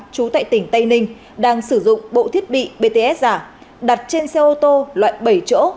chú tại tỉnh tây ninh đang sử dụng bộ thiết bị bts giả đặt trên xe ô tô loại bảy chỗ